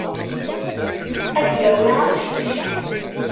Ad d-yawi aqcic.